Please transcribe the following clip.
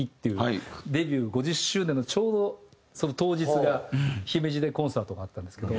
デビュー５０周年のちょうどその当日が姫路でコンサートがあったんですけど